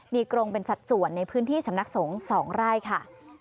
มีกรงเป็นสัดส่วนในพื้นที่สำนักสงฆ์๒ไร่ค่ะ